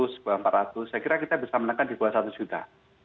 saya kira kita bisa menekan di bawah satu juta